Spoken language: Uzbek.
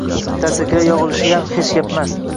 Tarsakilar yog‘ilishiyam hech gapmas